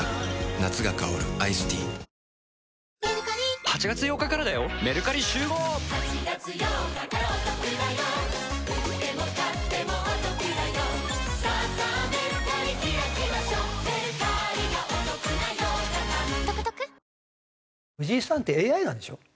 夏が香るアイスティー藤井さんってＡＩなんでしょ？